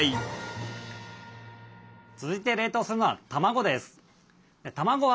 続いて冷凍するのは卵です。